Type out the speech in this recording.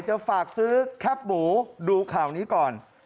จะฝากซื้อแคบหมูดูข่าวนี้ก่อน